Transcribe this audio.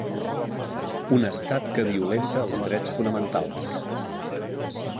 Un estat que violenta els drets fonamentals